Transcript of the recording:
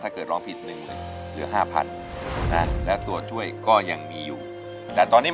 ถ้าหยุด